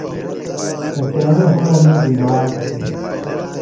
کتیݨوۡ ہِڑوۡ می بِمار بِھلوۡ۔